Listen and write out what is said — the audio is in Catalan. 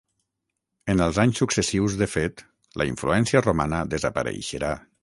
En els anys successius de fet, la influència romana desapareixerà.